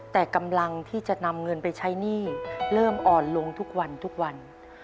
แต่กำลังที่จะนำเงินไปใช้หนี้เริ่มอ่อนลงทุกวันทุกวัน